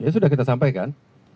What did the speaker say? sudah kita sampaikan